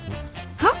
はっ？